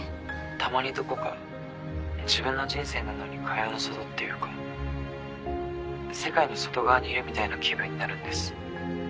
たまにどこか自分の人生なのに蚊帳の外っていうか世界の外側にいるみたいな気分になるんです。